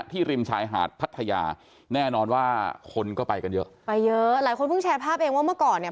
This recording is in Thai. ริมชายหาดพัทยาแน่นอนว่าคนก็ไปกันเยอะไปเยอะหลายคนเพิ่งแชร์ภาพเองว่าเมื่อก่อนเนี่ย